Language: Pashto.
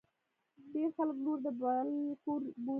ډیر خلګ لور د بل کور بولي.